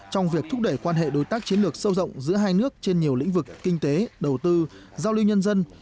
trong việc thúc đẩy quan hệ đối tác chiến lược sâu rộng giữa hai nước trên nhiều lĩnh vực kinh tế đầu tư giao lưu nhân dân